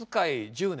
１０年！？